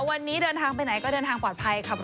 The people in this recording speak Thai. วันนี้เดินทางไปไหนก็เดินทางปลอดภัยครับ